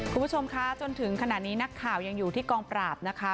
คุณผู้ชมคะจนถึงขณะนี้นักข่าวยังอยู่ที่กองปราบนะคะ